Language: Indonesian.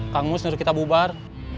kang mus menurut kita bubar